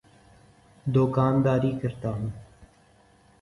دوکانداری کرتا ہوں۔